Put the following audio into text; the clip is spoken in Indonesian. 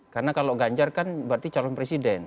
karena kalau ganjar kan berarti calon presiden